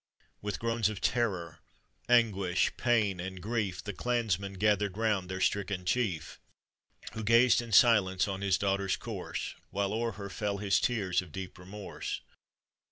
With groans of terror, anguish, pain, and grief, The clansmen gathered round their stricken chief, Who gazed in silence on his daughter's corse, While o'er her fell his tears of deep remorse.